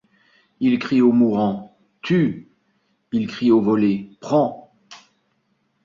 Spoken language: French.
Il crie au mourant : Tue ! Il crie au volé : Prends !